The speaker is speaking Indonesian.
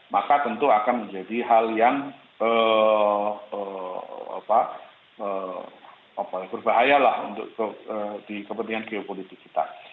maka tentu akan menjadi hal yang berbahaya untuk di kepentingan geopolitik kita